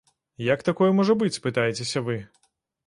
Як такое можа быць, спытаецеся вы?